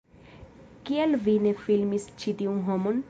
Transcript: Kial vi ne filmis ĉi tiun homon?